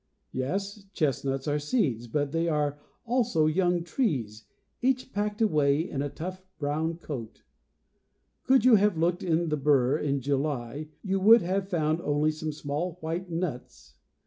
Yes, chestnuts are seeds, but they are also young trees, each packed away in a tough brown coat. Could you have looked in the bur in July, you would have found only some small white nuts (Fig.